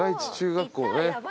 学校ね。